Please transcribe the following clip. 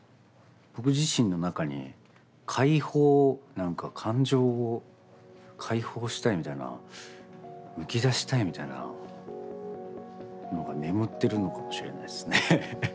僕自身の中に解放なんか感情を解放したいみたいなむき出したいみたいなのが眠ってるのかもしれないですね。